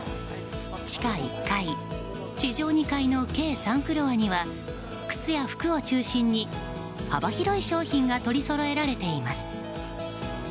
地下１階、地上２階の計３フロアには靴や服を中心に幅広い商品が取りそろえられています。